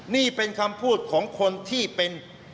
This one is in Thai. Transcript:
นี่เป็นคำพูดของคนที่เป็น